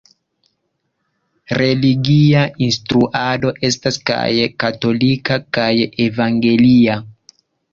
Religia instruado estas kaj katolika kaj evangelia.